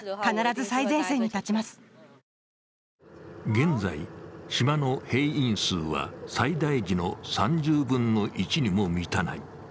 現在、島の兵員数は最大時の３０分の１にも満たない。